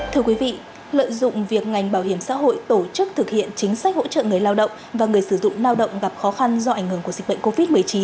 thưa quý vị lợi dụng việc ngành bảo hiểm xã hội tổ chức thực hiện chính sách hỗ trợ người lao động và người sử dụng lao động gặp khó khăn do ảnh hưởng của dịch bệnh covid một mươi chín